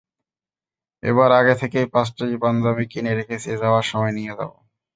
এবার আগে থেকেই পাঁচটি পাঞ্জাবি কিনে রেখেছি, যাওয়ার সময় নিয়ে যাব।